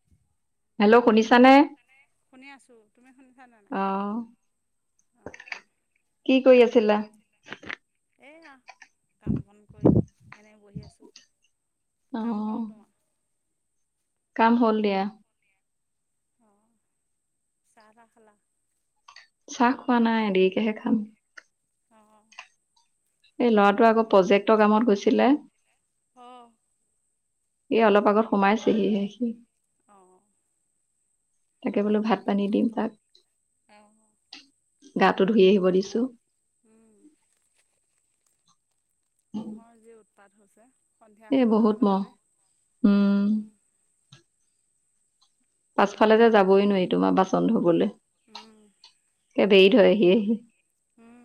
[inaudible] Hello! শুনিছা নে? শুনি আছো। তুমি শুনিছা নে নাই? অহ, অ। কি কৰি আছিলা? এইয়া, কাম-বন কৰি এনেই বহি আছো। কাম অহ, হ'ল তোমাৰ? কাম হ'ল দিয়া। অঁ, চাহ-তাহ খালা? চাহ খোৱা নাই, দেৰিকেহে খাম। অ, অ। এই ল'ৰাটো আকৌ প্ৰজেক্টৰ কামত গৈছিলে। অঁ এই অলপ আগত সোমাইছেহি হে সি। অঁ। তাকে বোলো, ভাত-পানী দিম তাক, অঁ গাটো ধুই আহিব দিছো। উম। মহৰ যি উৎপাত হৈছে, সন্ধিয়া এই হৈ বহুত অহাৰ মহ। লগতে। উম। পাছফালে যে যাবই নোৱাৰি, তোমাৰ বাচন ধুবলে। উম বেৰি ধৰেহি আহি। উম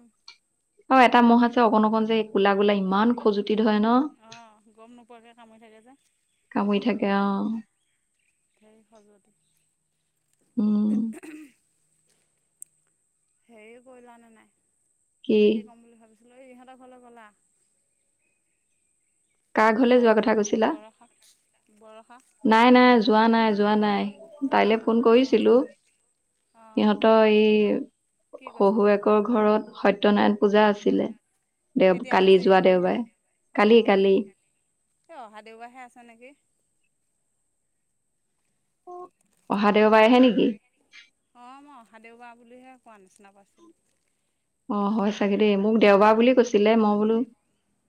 অ, এটা মহ আছে অকন-অকন যে, এই কোলা-কোলা ইমান খজুতি ধৰে ন! অ, গম নোপোৱাকে কামুৰি থাকে যে। কামুৰি থাকে, অ। ধেই খজুৱতি। উম। হেৰি কৰিলা নে নাই? কি ক'ম বুলি ভাবিছিলো, এই ইহঁতৰ ঘৰলৈ গ'লা? কাৰ ঘৰলে বৰ, যোৱা কথা কৈছিলা? বৰষা, বৰষা। নাই, নাই, যোৱা নাই, যোৱা নাই। তাইলে ফোন অঁ কৰিছিলো, অঁ সিহঁতৰ এই কি কৈছে শহুয়েক আকৌ ঘৰত সত্যনাৰায়ণ পূজা আছিলে। দেও, কেতিয়া কালি আজি যোৱা দেওবাৰে, অঁ কালি-কালি। এই অহা দেওবাৰেহে আছে নেকি! অহা দেওবাৰে হে নেকি! অঁ, মই অহা দেওবাৰ বুলিহে কোৱা নিচিনা পাইছিলোঁ। অ, হয় চাগে দেই। মোক দেওবাৰ বুলি কৈছিলে, মই বোলো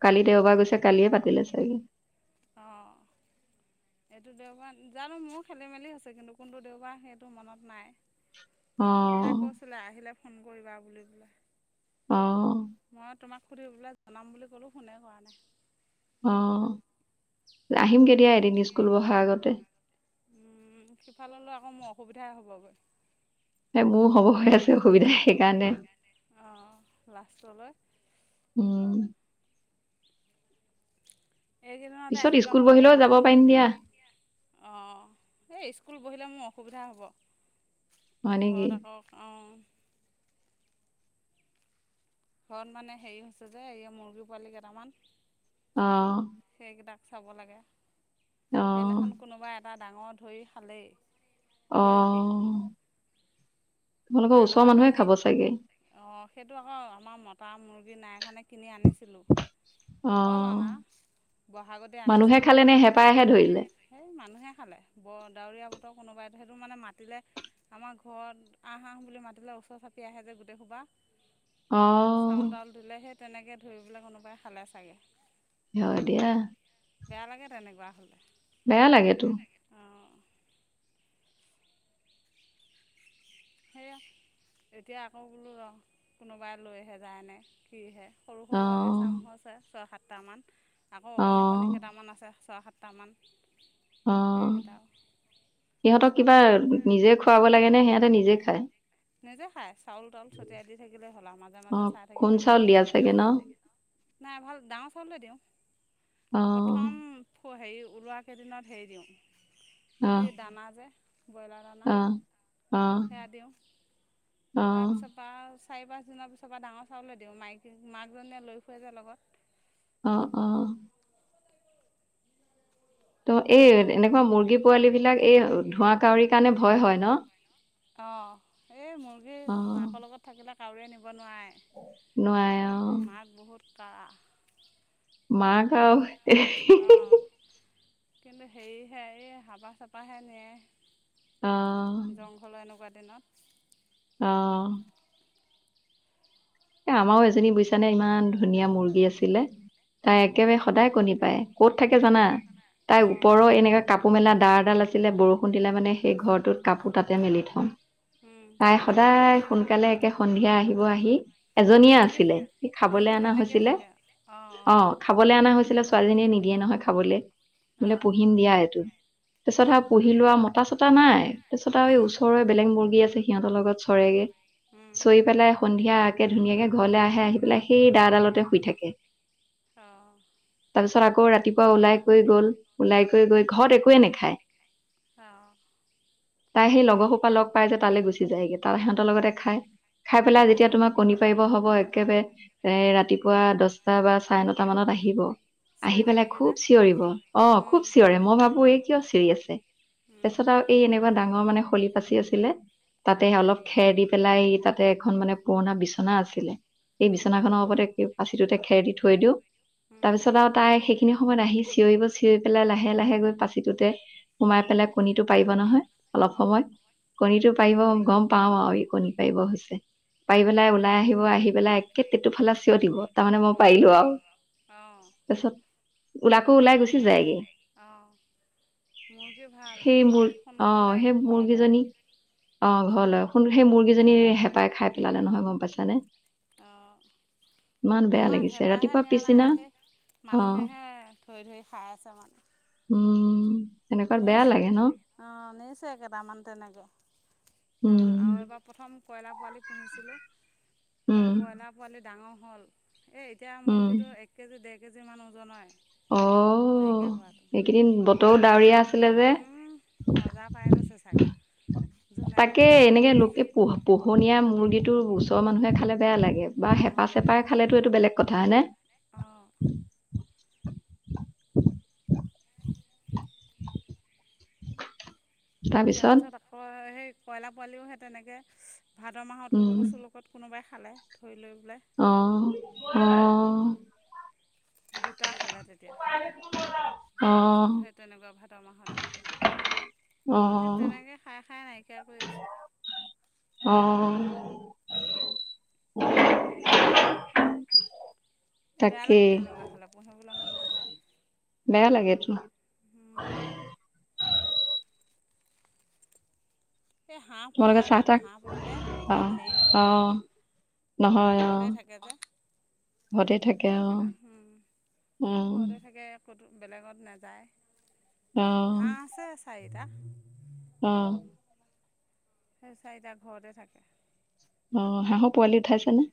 কালি দেওবাৰ গৈছে, কালিয়ে পাতিলে চাগে। অহঁ। এইটো দেওবাৰ, জানো, মোৰ খেলি-মেলি হৈছে কিন্তু, কোনটো দেওবাৰ সেইটো মনত নাই। [inaudible] তাই উম। কৈছিলে আহিলে ফোন কৰিবা বুলি পেলাই। অ। মই তোমাক সুধি পেলাই জনাম বুলি ক'লো ফোনে কৰা নাই। অ আহিম কেতিয়া এদিন স্কুল বহা আগতে। উম সিফাললৈ আকৌ মোৰ অসুবিধাই হ'বগৈ। এ মোৰো হ'ব হৈ আছে অসুবিধা সেইকাৰণে অ লাষ্টলৈ। উম এইকেইদিনতে পিছত আহিবলৈ স্কুল আকৌ বহিলেও বৰষুণ, হ'লেও যাব দিয়া পাৰিম দিয়া। অ এই স্কুল বহিলে মোৰ অসুবিধা হয় হ'ব। নেকি ঘৰত আকৌ অহ। ঘৰত মানে হেৰি হৈছে যে এই মুৰ্গী পোৱালি কেইটামান অ। সেইকেইটাক চাব লাগে, অ সেইদিনাখন অ কোনোবা এটা ডাঙৰ ধৰি খালেই। অ পৰহি তোমালোকৰ ওচৰৰ মানুহে খাব চাগে। অ সেইটো আকৌ আমাৰ মতা মুৰ্গী নাই কাৰণে কিনি আনিছিলোঁ। অ হ'ল অনা বহাগতে মানুহে আনিছিলোঁ খালে নে হেঁপাহে ধৰিলে? সেই মানুহে খালে। ব ডাৱৰীয়া বতৰ কোনোবাই সেইটো মানে মাতিলে আমাৰ ঘৰত আহ-আহ বুলি মাতিলে ওচৰ চাপি আহে যে গোটেই সোপা অ চাউল-তাউল দিলে সেই তেনেকে ধৰি পেলাই কোনোবাই খালে চাগে। হয় দিয়া। বেয়া লাগে তেনেকুৱা হ'লে। বেয়া লাগ তো। অহ। [unintelligible] সেয়া এতিয়া আকৌ বোলো ৰ কোনোবাই লৈহে যায় নে সিহে অ সৰু-সৰু এচাম হৈছে ছয়-সাতটামান। আকৌ অ অকণী-অকণী কেইটামান আছে ছয়-সাতটামান। অ সিহঁতক চাব কিবা লাগে নিজে খুৱাব লাগেনে সিহঁতে নিজে খায়? নিজে খাই। চাউল-তাউল ছটিয়াই দি থাকিলেই হ'ল আৰু মাজে অ মাজে চাই খুন থাকিলেই হ'ল। চাউল দিয়া চাগে ন নাই ভাল ডাঙৰ চাউলে দিওঁ অ প্ৰথম হেৰি ওলোৱা কেইদিনত হেৰি দিওঁ, অ সেই দানা যে ব্ৰইলাৰ দানা অ অ খাই দিওঁ, অ তাৰপিছ তাৰ চাৰি-পাঁচদিনৰ পিছৰ পৰা ডাঙৰ চাউলৈ দিওঁ। মাইকী মাকজনীয়ে লৈ ফুৰে যে লগত। অ অ। ত এই সেয়া ভাল এনেকুৱা মুৰ্গী পোৱালী বিলাক এই ধোঁৱা কাউৰীৰ কাৰণে ভয় হয় ন? অ এই অ মুৰ্গীৰ মাৰ থাকিলে কাউৰীয়ে নিব নোৱাৰে। মাক বহুত কাৰা। মাক আও কিন্তু অঁ [unintelligible] কিন্তু হেৰিহে এই হাবা-চাপাহে নিয়ে। অ জংঘল এনেকুৱা দিনত। অ। এ আমাৰও এজনী বুইছানে ইমান ধুনীয়া মুৰ্গী আছিলে তাই একেবাৰে সদায় কণী পায়। ক'ত থাকে জানা? তাইৰ অঁ অঁ ওপৰৰ এনেকা কাপোৰ মেলা ডাঁৰ ডাল আছিলে বৰষুণ দিলে মানে সেই ঘৰটোত কাপোৰ তাতে মেলি থ‌ও তাই সদায় সোনকালে একে সন্ধিয়া আহিব আহি এজনীয়ে মুৰ্গী আছিলে সি খাবলৈ মুৰ্গী অনা তেনেকেই হৈছিলে থাকে অঁ অ অঁ খাবলৈ অনা হৈছিলে ছোৱালজনীয়ে নিদিয়ে নহয় খাবলে বোলে অঁ পুহিম দিয়া এইটো তাৰ পিছত উম আৰু পুহি লোৱা মতা চতা নাই তাৰপিছত আৰু ওচৰৰে বেলেগ মুৰ্গী আছে সিহঁতৰ লগত চৰেগে উম চৰি পেলাই সন্ধিয়া ধুনীয়াকে ঘৰলে আহে আহি পেলাই সেই দা ডালতে শুই থাকে অ তাৰপিছত আকৌ ৰাতিপুৱা ওলাই কৰি গল ওলাই কৰি গৈ ঘৰত একোৱে নাখায় অঁ তাই সেই লগৰ সোপা লগ পাই যে তালৈ গুচি যায়গে তাত সিহঁতৰ লগতে খাইখাই পেলাই যেতিয়া তোমা আহিব হব একেবাৰে এ ৰাতিপুৱা দহটা বা চাৰে নটা মানত আহিব আহি চিঞৰি পেলাই থাকেহি খুব যে, চিঞৰিব অ, খুব উম। চিঞৰে মই ভাবো এই কিয় চিঞৰি আছে উম, তাৰপিছত আৰু এই এনেকুৱা ডাঙৰ মানে শলি পাচি আছিলে তাতে অ'। অলপ খেৰ দি পেলাই তাতে এখন মানে পুৰণা বিচনা আছিলে সেই উম। বিচনা খনৰ ওপৰতে পাঁচিটোতে খেৰ দি থৈ দিওঁ উম। তাৰপিছত তাত তাই সেইখিনি সময়ত আহি চিঞৰিব চিঞৰি পেলাই লাহে লাহে গৈ পাচি টোতে সোমাই পেলাই কণীটো পাৰিব নহয় অলপ উম, সময় কণীটো পাৰিব গম পাওঁ আৰু ই কণী পাৰিব হৈছে পাৰি অ পেলাই তাকে ওলাই আহিব আহি পেলাই একে তেতুফালা চিঞৰ দিব তাৰমানে মই উম, পাৰিলো আৰু অ', তাৰপিছত আকৌ ওলাই তেনেকুৱা, গুচি যায়গে অ'। মুৰ্গী ভাল সেই মূৰ আৰু আহ সোনকালে সেই ঘৰলৈ মুৰ্গীজনী অ, ঘৰ লয় শুন সেই মুৰ্গীজনী হেঁপাই খাই পেলালে নহয় গম পাইছানে অহ ইমান বেয়া আমাৰ লাগিছে হেঁপাহে ৰাতিপুৱা নিয়া পিছদিনা নাই সেই অ মানুহেহে ধৰি ধৰি খাই আছে আমাৰ উম নিচ অঁ বেয়া লাগে অ নিচে কেইটামান তেনেকে ডাঙৰ ডাঙৰ উম আৰু এবাৰ প্ৰথম কয়লা পোৱালি পুহিছিলোঁ উম সেই কয়লাৰ পোৱালি ডাঙৰ হ'ল এই এতিয়া উম মুৰ্গীটো এক কেজি দে কেজিমান ওজন হয় অ নাই কিয়া হোৱাটো এইকেইদিন বতৰো ডাৱৰীয়া আছিলে নাৱৰীয়া যে তাতে উম মজা পাই গৈছে চাগে জোনে তাকে ধৰি পেলাই এনেকে খাই লোকে পোহ পোহনীয়া মুৰ্গীটো ওচৰৰ মানুহে খালে বেয়া লাগে বা হেপা অঁ চেপাই খালেতো এইটো বেলেগ কথা হয় নে অঁ [unintelligible] তাৰপিছত আকৌ সেই কইলাৰ পোৱালিওহে তেনেকৈ ভাদৰ মাহত উম উৰুক চলক ক'ত কোনোবাই খালে ধৰি লৈ পেলাই অঁহ অঁ দুটা খালে তেতিয়া অ যোৱা বছৰত সেই তেনেকুৱা ভাদ মাহতে অ সে তেনেকে খাই খাই নাইকিয়া কৰি আছো অঁ অ বেয়া তাকেই লাগে তেনেকুৱা হ'লে পোহিবলে মন নাযায় বেয়া লাগে এটো এ হাঁহ তোমালোকে পোহাই চাহ ভাল তাহ হাঁহ পুহিলে অ ইমান হেৰি অ নহয় মানে নহয় অ ঘৰতে থাকে যে ঘৰতে থাকে হাঁহ অ কেইটা উম উম ঘৰতে থাকে ক'তো বেলেগত নাযায়, অ হাঁহ আছে চাৰিটা। উম',। সে চাৰিটা ঘৰতে থাকে। অ', হাঁহ পোৱালি উঠাইছে নে?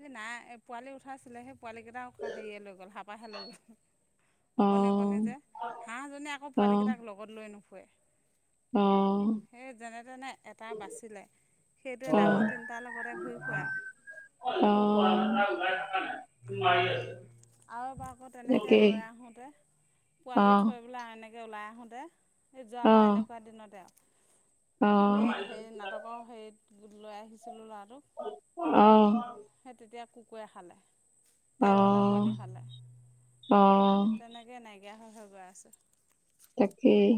এই নাই এ' পোৱালি উঠাইছিলে, সেই পোৱালী কেটা হেৰীয়ে লৈ গ'ল হাবাহে লৈ গ'ল। অ অকণি অকণি যে, হাঁহজনে আকৌ অ পোৱালী গেটাক লগত লৈ নুফুুৱে। সে যেনে তেনে এটা বাচিলে। সেইটোৱে অ ডাঙ অ তিনিটা লগতে ঘূৰি ফুৰে আওঁ। অ',। আওঁ এবা ক' তেনেকে তাকেই লৈ আহোঁতে পোৱালি অ', থৈ ওলা এনেকে ওলায় আহোঁতে এ' যোৱাবা অ', এনেকুৱা দিনতে, অ', আওঁ এ' হে এ' নাটক হেৰিত লৈ আহিছিলোঁ ল'ৰাটোক। অ',। সেই তেতিয়া কুকুৰে খালে, তেৰটা অ', পোৱালি খালে। অ', সেই তেনেক কে নাইকিয়া হৈ হৈ গয় আছে। তাকেই।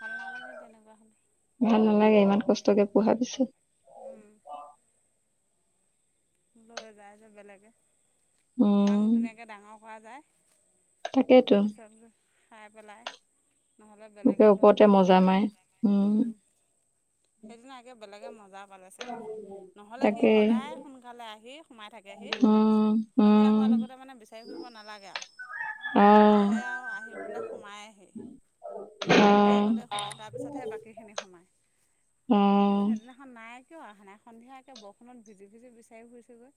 ভাল নালাগে তেনেকুৱা হ'লে। ভাল নালাগে ইমান কষ্টকে পোহা পিছত। উম',। লৈ যায় যে বেলেগে, উম, ইমান ধুনীয়াকৈ ডাঙৰ কৰা যায়। তাকেইতো। ৰনজো খাই পেলাই। নহ'লে বুকে বেলেগে লৈ ওপৰতে যায়, মজা মাৰে উম',। সেইদিনা একে বেলেগে মজা পালে চাগে, নহ'লে সি তাকে সদায় কালে আহি সোমাই থাকেহি, উম, সন্ধিয়া উম, হোৱা লগতে মানে বিচাৰি ফুৰিব নালাগে আওঁ। অ', আহে আওঁ আহিবোলে সোমায়হি। সি অ', আগতে তাপিছতহে বাকীখিনি সোমায়, কিন্তু অ', সেদিন সেইদিনাখন নাই কিয় অহা নাই, সন্ধিয়াএকে বৰষুণত ভিজি ভিজি বিচাৰি ফুৰিছোগৈ।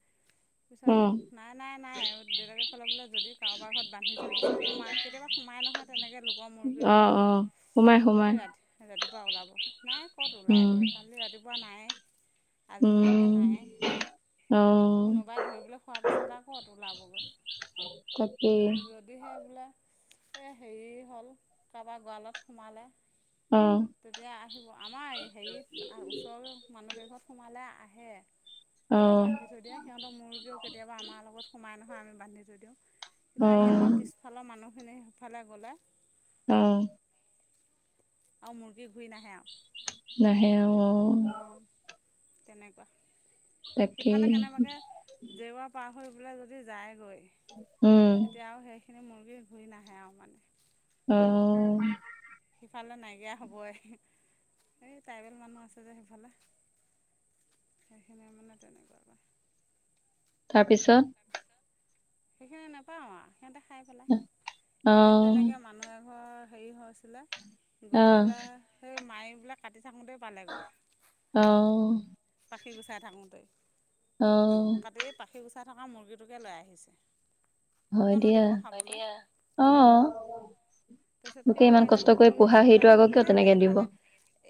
পিছত অ', নাই- নাই- নাই আৰু দেউতাকে ক'লে, বোলে যদি কাৰোবাৰ ঘৰত বান্ধি থৈ দিছে সোমা কেতিয়াবা সোমাই নহয়, তেনেকে লোকৰ মুৰ্গীৰ অ', লগত। অ',। সোমাই সোমাই এ' ৰাতি ৰাতিপুৱা ওলাব, নাই ক'ত উম, ওলাইগৈ কালি ৰাতি ৰাতিপুৱা নাই, আজিলৈকে উম, নাইয়ে। অ', কোনোবাই ধৰিবলৈ খোৱা পিছত আওঁ কত ওলাবগৈ তাকেই যত দি সে বোলে এ' হেৰি হ'ল, কাবা গঁৱালত সোমালে। অ', তেতিয়া আহিব আমাৰ হেৰিত আ' ওচৰ মানুহ কেঘৰত সোমালে আহে। হেঁতে অ', বান্ধি থৈ দিয়ে, সিহঁত মুৰ্গীও কেতিয়াবা আমাৰ লগত সোমাই নহয় আমি বান্ধি থৈ দিওঁ। নে এই অ', আমাৰ পিছফাল মানুহখিনি সেইফালে গ'লে। উম',। আওঁ মুৰ্গী ঘূৰি নাহে আওঁ। নাহে আওঁ অ',। তেনেকুৱা, তাকেই সিফালে কেনেবাকে জেওৱা পা হৈ পেলাই যদি যায়গৈ, উম, তেতিয়া আৰু সেখ সেইখিনি মুৰ্গী ঘূৰি নাহে আৰু মানে। অ সিফালে নাইকিয়া হ'বই এই ট্ৰাইবেল মানুহ আছে যে সিফালে সেইখিনিয়ে মানে তেনেকুৱা আৰু তাৰপিছত সেইখিনি নাপাওঁ আৰ সিহঁতে খাই পেলাই এদিন অ', তেনেকে মানুহ এঘৰৰ হেৰি হৈছিল গৈ অ', পেলাই সেই মাৰি বিলাক কাটি থাকোঁতে পালেগৈ অঁ পাখি গুচাই থাকোতেই অঁ তাতে এই পাখি গুচাই থকা মুৰ্গীটোকে লৈ আহিছে হয় কিয়নো দিয়া দিব অ', [unintelligible] তাৰপিছত লোকে কিয় ইমান মাৰিলে কষ্ট কৰি পোহা শুধুছিলে হেৰিটো বোলে আকৌ কিয় কৈছে তেনেকে দিব এইফালে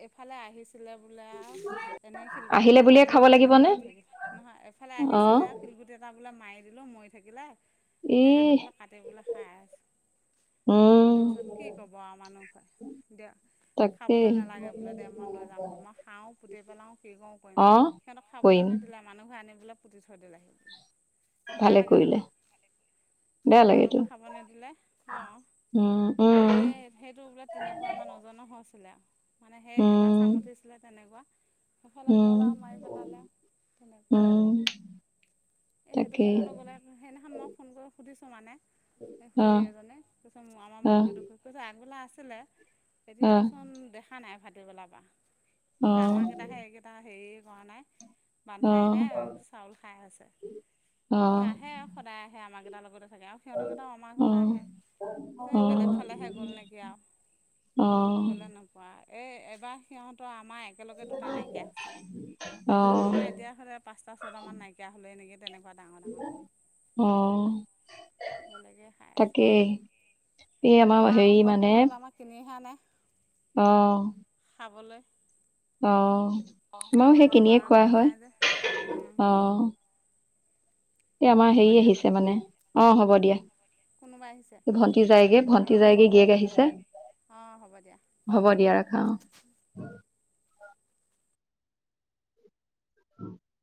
এইফালে আহিছিলে বোলে আৰু এনেই গুটি আহিলে এটা বুলিয়ে মাৰি খাব দিলোঁ বোলে লাগিবনে মই [unintelligible] নহয় এফালে অ', আহিছিলে। শিলগুটি এটা বোলে মাৰি দিলোঁ মৰি থাকিলে সেইকাৰণে ইহ বোলে কাটি বোলে খাই আছোঁ উম, তাৰপিছত কি ক'ব আৰু মানুহ ঘৰে দেঅ তাকেই খাবলৈ নালাগে বোলে দে মই লৈ যাম গৈ মই খাও পুতি পেলাও যি কৰো কৰিম অ', সিহঁতক খাবলৈ কৰিম নিদিলে মানুহে আনি পেলে পুতি থৈ দিলে সি বোলে বেয়া ভালে লাগে কৰিলে নহয় বেয়া লাগেতো সিহঁতকো খাব নিদিলে অ উম, উম, সেয়ে সেইটো বোলে তিনি পোৱা মান ওজনৰ হৈছিলে আৰু মানে সেই এটা উম, চাম উঠিছিলে তেনেকুৱা সেইফালে উম, গ'ল আৰু মাৰি পেলালে তেনেকুৱা উম, এ সেইটো তাকেই চুকলৈ গ'লে সেইদিনাখন মই ফোন কৰি সুধিছো মানে সেই খুড়ী অ', এজনে কৈছে মাৰা অ', মুৰ্গীটোকো কৈছে আগবেলা আছিলে অ', এতিয়াচোন দেখা নাই ভাটিবেলাৰ বা কৈছে অ', আমাক [unintelligible] হে কেইটা হেৰি কৰা নাই। বান্ধাই নাই অ', চাউল খাই আছে তাৰ অ', পিছত আহে আৰু সদায় আহে আমাৰ কেইটাৰ লগতে থাকে আৰু সিহঁতৰকেইটাও আমাৰ ঘৰলৈ অ', আহে বেলেগ অ', ফালেহে গ'ল নেকি আৰু অ কোৱা এই এবাৰ সিহঁতৰ আমাৰ একেলগে দুটা টা নাইকিয়া হৈছে অ', আমাৰ এতিয়া হ'লে পাঁচটা ছয়টা মান নাইকিয়া হ'লে এনেকে তেনেকুৱা ডাঙৰ ডাঙৰ অ বেলেগে খাই আছে তাকেই এই আমাৰ আকৌ হেৰি ঘৰত মানে পুহিবলৈ আমাক খিনিহে আনে অ খাবলৈ অ মোৰো সেই ঘৰত কিনিয়ে মৰা খোৱা মানুহ হয় নাই যে অ এই আমাৰ হ'ব হেৰি দিয়া আহিছে মানে অ হ'ব দিয়া কোন কোনোবা আহিছে ই যায়গে ভণ্টি যায়গে গীয়েক আহিছে অঁ হ'ব দিয়া হ'ব দিয়া ৰাখা অ [unintelligible] [inaudible]